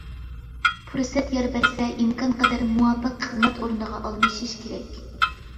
پۇرسەت يار بەرسە ئىمكانقەدەر مۇۋاپىق خىزمەت ئورنىغا ئالمىشىش كېرەك.